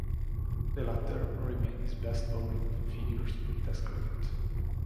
The latter remains his best bowling figures in Test cricket.